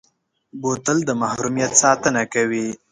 بوتل د محرمیت ساتنه کوي.